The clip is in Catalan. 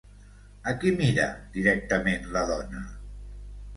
A qui mira directament la dona?